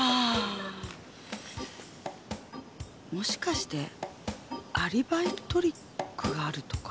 もしかしてアリバイトリックがあるとか？